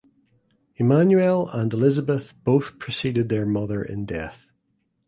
Emmanuel and Elisabeth both preceded their mother in death.